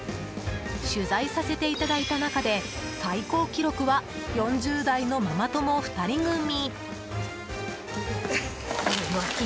取材させていただいた中で最高記録は４０代のママ友２人組。